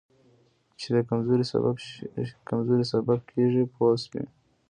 چې د کمزورۍ سبب کېږي پوه شوې!.